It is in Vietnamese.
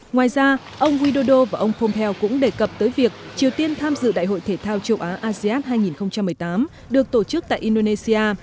ngoài ra ông widodo và ông pompeo cũng đề cập tới việc triều tiên tham dự đại hội thể thao châu á asean hai nghìn một mươi tám được tổ chức tại indonesia